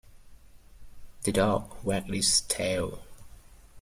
The dog wagged its tail.